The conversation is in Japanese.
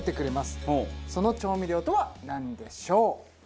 その調味料とはなんでしょう？